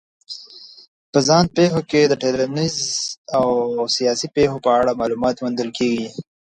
په ځان پېښو کې د ټولنیزو او سیاسي پېښو په اړه معلومات موندل کېږي.